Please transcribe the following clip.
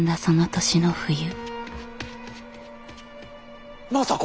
その年の冬。